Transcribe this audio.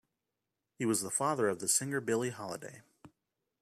He was the father of the singer Billie Holiday.